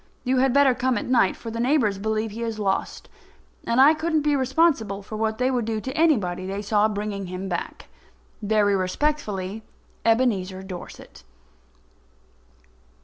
You had better come at night, for the neighbours believe he is lost, and I couldn't be responsible for what they would do to anybody they saw bringing him back. Very respectfully, EBENEZER DORSET.